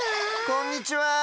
こんにちは！